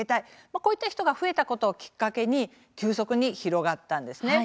こういった人が増えたことをきっかけに急速に広がりました。